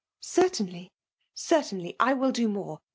^ Certainly^ certainly! I will do moM*.